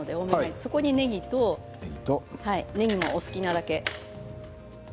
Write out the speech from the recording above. そこに、ねぎもお好きなだけ。